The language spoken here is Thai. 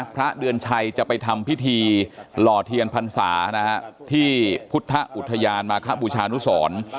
พระเดือนชัยจะไปทำพิธีหล่อเทียนพรรษาที่พุทธอุทยานมาคบูชานุสร